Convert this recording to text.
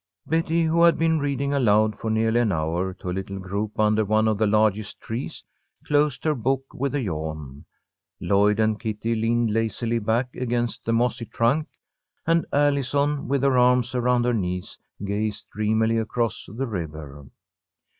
Betty, who had been reading aloud for nearly an hour to a little group under one of the largest trees, closed her book with a yawn. Lloyd and Kitty leaned lazily back against the mossy trunk, and Allison, with her arms around her knees, gazed dreamily across the river.